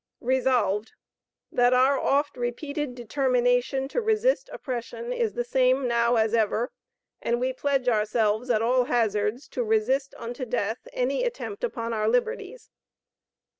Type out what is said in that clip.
Resolved, That our oft repeated determination to resist oppression is the same now as ever, and we pledge ourselves, at all hazards, to resist unto death any attempt upon our liberties.